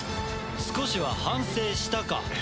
少しは反省したか？